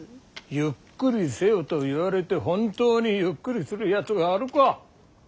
ゆっくりせよと言われて本当にゆっくりするやつがあるか。